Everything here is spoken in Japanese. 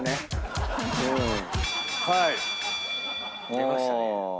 出ましたね。